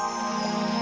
aku juga merasa percaya